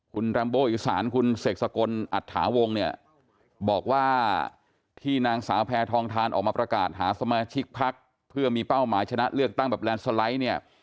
คุณแรมโบอีสานคุณเสกสกลอัตถาวงเนี่ยบอกว่าที่นางสาวแพทองทานออกมาประกาศหาสมาชิกพักเพื่อมีเป้าหมายชนะเลือกตั้งแบบแลนด์สไลด์เนี่ย